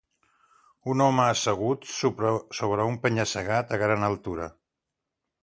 Un home assegut sobre un penya-segat a gran altura.